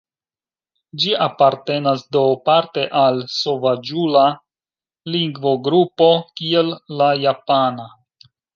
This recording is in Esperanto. Ĝi apartenas do parte al sovaĝula lingvogrupo kiel la japana.